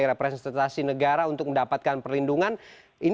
tidak ada responsif akhirnya saya melakukan tindakan yang semestinya saya lakukan